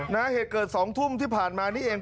เหตุเกิด๒ทุ่มที่ผ่านมานี่เอง